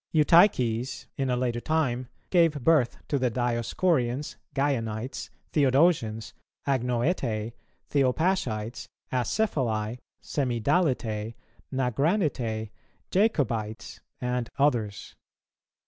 Eutyches, in a later time, gave birth to the Dioscorians, Gaianites, Theodosians, Agnoetæ, Theopaschites, Acephali, Semidalitæ, Nagranitæ, Jacobites, and others.